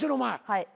はい。